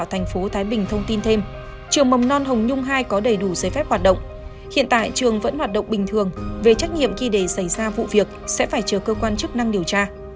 hiện tại trường vẫn hoạt động bình thường về trách nhiệm khi để xảy ra vụ việc sẽ phải chờ cơ quan chức năng điều tra